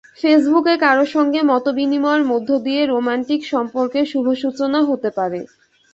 ফেসবুকে কারও সঙ্গে মতবিনিময়ের মধ্য দিয়ে রোমান্টিক সম্পর্কের শুভসূচনা হতে পারে।